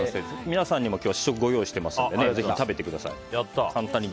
皆さんにも試食をご用意していますのでぜひ食べてください。